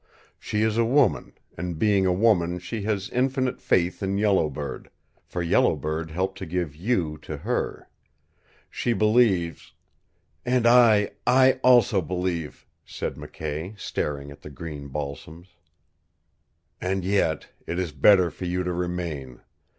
She is a woman, and being a woman she has infinite faith in Yellow Bird, for Yellow Bird helped to give you to her. She believes " "And I I also believe," said McKay, staring at the green balsams. "And yet it is better for you to remain.